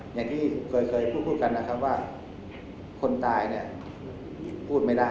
อย่างที่เคยพูดกันนะครับว่าคนตายเนี่ยพูดไม่ได้